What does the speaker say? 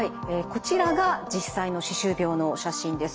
こちらが実際の歯周病の写真です。